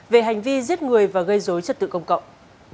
về hành vi giết người và gây dối trật tự công cộng